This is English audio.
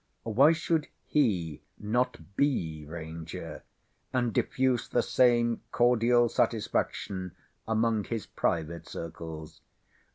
why should he not be Ranger, and diffuse the same cordial satisfaction among his private circles?